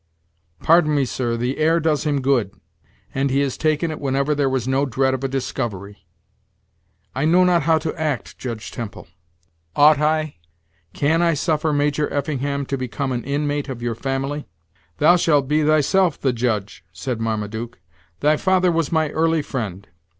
"Pardon me, sir, the air does him good, and he has taken it whenever there was no dread of a discovery. I know not how to act, Judge Temple; ought I, can I suffer Major Effingham to become an inmate of your family?" "Thou shalt be thyself the judge," said Marmaduke. "Thy father was my early friend.